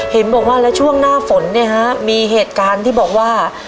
เห็นบอกว่าแล้วช่วงหน้าฝนเนี่ยฮะมีเหตุการณ์ที่บอกว่า